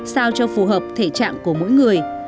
sao cho phù hợp thể trạng của mỗi người